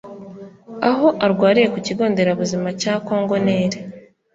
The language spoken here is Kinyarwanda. Aho arwariye ku kigo nderabuzima cya Congo-Nil